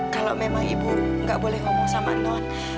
kalau memang ibu nggak boleh ngomong sama non